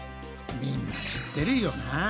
みんな知ってるよな。